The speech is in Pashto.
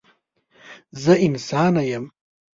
زه انسانه یم.